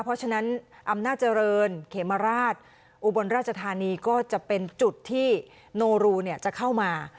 เพราะฉะนั้นอำนาจเจริญเขมราชอุบลราชธานีก็จะเป็นจุดที่โนรูจะเข้ามา